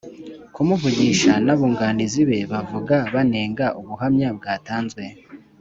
kamugisha n’abunganizi be bavuga banenga ubuhamya bwatanzwe